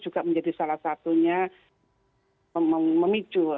juga menjadi salah satunya memicu